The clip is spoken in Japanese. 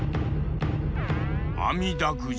「あみだくじ」